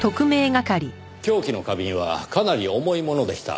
凶器の花瓶はかなり重いものでした。